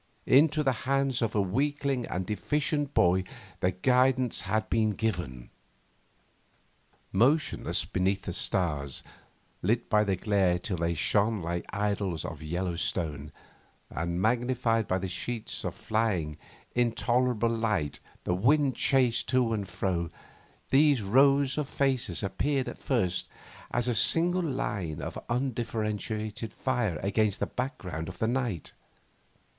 Into the hands of a weakling and deficient boy the guidance had been given. Motionless beneath the stars, lit by the glare till they shone like idols of yellow stone, and magnified by the sheets of flying, intolerable light the wind chased to and fro, these rows of faces appeared at first as a single line of undifferentiated fire against the background of the night.